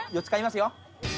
４つ買いますよ。